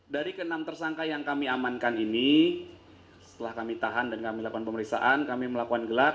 dari ke enam tersangka yang kami amankan ini setelah kami tahan dan kami lakukan pemeriksaan kami melakukan gelar